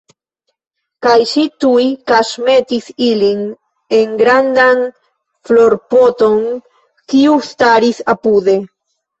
Kaj ŝi tuj kaŝmetis ilin en grandan florpoton, kiu staris apude.